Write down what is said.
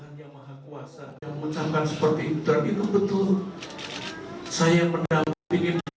tuhan yang maha kuasa yang mengucapkan seperti itu dan itu betul